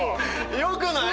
よくない？